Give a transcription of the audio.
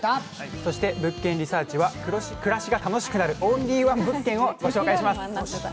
そして「物件リサーチ」は、暮らしが楽しくなるオンリーワン物件をご紹介します。